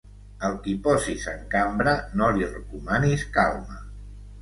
Al qui posis en cambra, no li recomanis calma.